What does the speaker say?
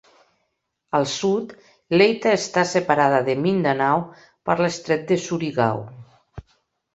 Al sud, Leyte està separada de Mindanao per l'estret de Surigao.